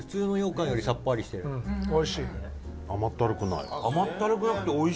富澤：甘ったるくない。